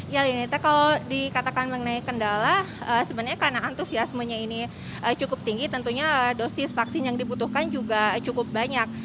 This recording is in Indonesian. ya lina kalau dikatakan mengenai kendala sebenarnya karena antusiasmenya ini cukup tinggi tentunya dosis vaksin yang dibutuhkan juga cukup banyak